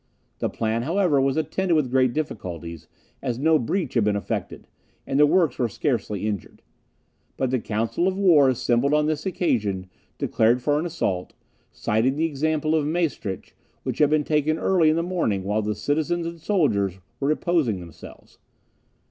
This plan, however, was attended with great difficulties, as no breach had been effected, and the works were scarcely injured. But the council of war assembled on this occasion, declared for an assault, citing the example of Maestricht, which had been taken early in the morning, while the citizens and soldiers were reposing themselves.